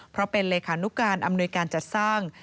เพราะเป็นเลขานุการอำนวยการจัดสร้าง